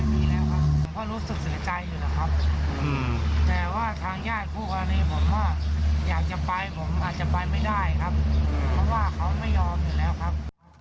เพราะรู้สึกเสียใจอยู่นะครับแปลว่าทางญาติพูดว่าอยากจะไปผมอาจจะไปไม่ได้ครับเพราะว่าเขาไม่ยอมอยู่แล้วครับ